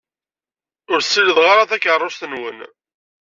Ur ssirideɣ ara takeṛṛust-nwen.